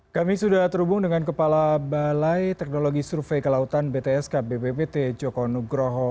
kami sudah terhubung dengan kepala balai teknologi survei kelautan btsk bppt joko nugroho